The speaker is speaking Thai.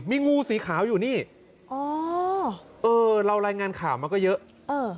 มีงูสีขาวอยู่นี่อ๋อเออเรารายงานข่าวมาก็เยอะเออ